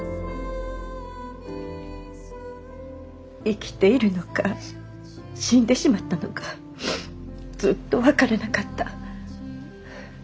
生きているのか死んでしまったのかずっと分からなかった。